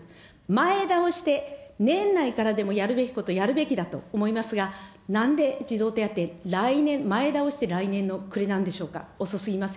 前倒して年内からでもやるべきこと、やるべきだと思いますが、なんで、児童手当、来年、前倒して来年の暮れなんでしょうか。